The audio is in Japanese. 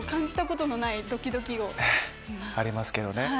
ねっありますけどね。